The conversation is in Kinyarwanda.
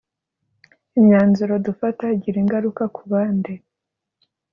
imyanzuro dufata igira ingaruka ku bandi